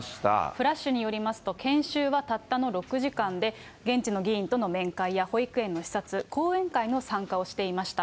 ＦＬＡＳＨによりますと、研修はたったの６時間で、現地の面会や保育園の視察、講演会の参加をしていました。